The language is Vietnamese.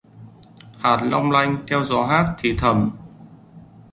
Hạt long lanh theo gió hát thì thầm